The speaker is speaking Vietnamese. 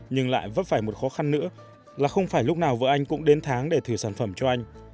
nhưng lại vấp phải một khó khăn nữa là không phải lúc nào vợ anh cũng đến tháng để thử sản phẩm cho anh